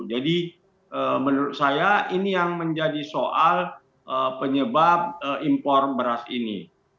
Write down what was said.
jadi menurut saya ini yang menjadi soal penyebab impor beras ini